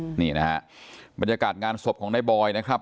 นี่นะฮะบรรยากาศงานศพของนายบอยนะครับ